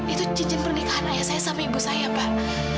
itu cincin pernikahan ayah saya sama ibu saya pak